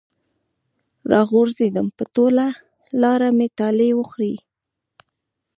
راغورځېدم په ټوله لاره مې ټالۍ وخوړې